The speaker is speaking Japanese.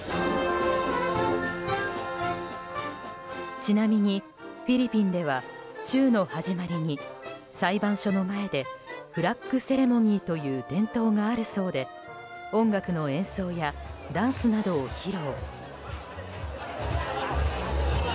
ちなみにフィリピンでは週の始まりに裁判所の前でフラッグセレモニーという伝統があるそうで音楽の演奏やダンスなどを披露。